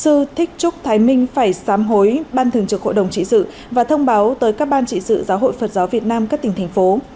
sư thích trúc thái minh phải giám hối ban thường trực hội đồng trị sự và thông báo tới các ban trị sự giáo hội phật giáo việt nam các tỉnh thành phố